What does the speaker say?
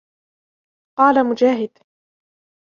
قَالَ مُجَاهِدٌ